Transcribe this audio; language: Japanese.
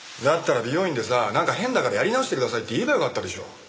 だったら美容院でさなんか変だからやり直してくださいって言えばよかったでしょ。